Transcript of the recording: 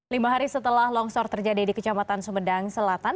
lima hari setelah longsor terjadi di kecamatan sumedang selatan